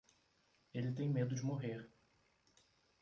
Ele tem medo de morrer.